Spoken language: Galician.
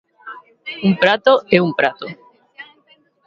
Un prato é un prato.